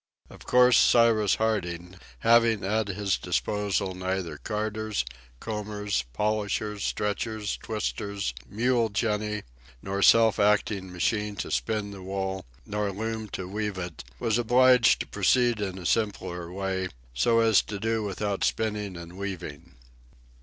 Of course Cyrus Harding, having at his disposal neither carders, combers, polishers, stretchers, twisters, mule jenny, nor self acting machine to spin the wool, nor loom to weave it, was obliged to proceed in a simpler way, so as to do without spinning and weaving.